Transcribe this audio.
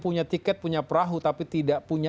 punya tiket punya perahu tapi tidak punya